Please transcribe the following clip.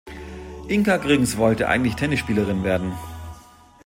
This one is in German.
Inka Grings wollte eigentlich Tennisspielerin werden.